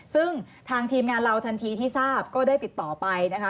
ซึ่งทางทีมงานเราทันทีที่ทราบก็ได้ติดต่อไปนะคะ